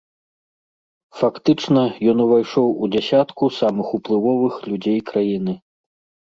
Фактычна, ён увайшоў у дзясятку самых уплывовых людзей краіны.